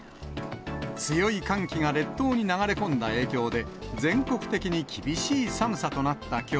強い寒気が列島に流れ込んだ影響で、全国的に厳しい寒さとなったきょう。